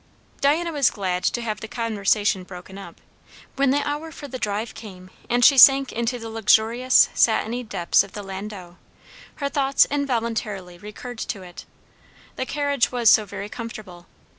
Diana was glad to have the conversation broken up. When the hour for the drive came, and she sank into the luxurious, satiny depths of the landau, her thoughts involuntarily recurred to it. The carriage was so very comfortable!